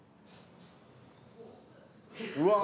うわ